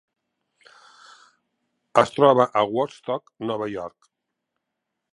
Es troba a Woodstock, Nova York.